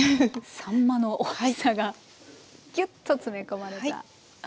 さんまのおいしさがぎゅっと詰め込まれた。